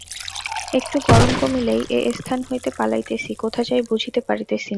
একটু গরম কমিলেই এ স্থান হইতে পলাইতেছি, কোথা যাই বুঝিতে পারিতেছি না।